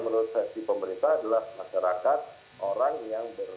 oke miskin itu kalau menurut sesi pemerintah adalah masyarakat orang yang berhasilan